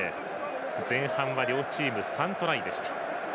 前半は両チーム３トライでした。